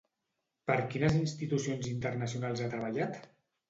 Per quines institucions internacionals ha treballat?